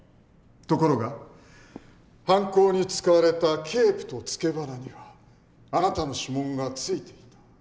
ところが犯行に使われたケープと付け鼻にはあなたの指紋がついていた。